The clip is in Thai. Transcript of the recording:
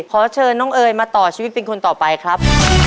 ขอเชิญน้องเอ๋ยมาต่อชีวิตเป็นคนต่อไปครับ